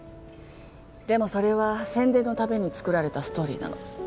でもそれは宣伝のために作られたストーリーなの。